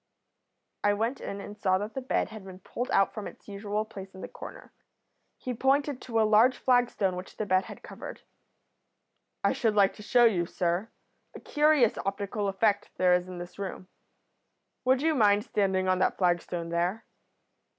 "I went in and saw that the bed had been pulled out from its usual place in the corner. He pointed to a large flagstone which the bed had covered. "'I should like to show you, sir, a curious optical effect there is in this room. Would you mind standing on that flagstone there?'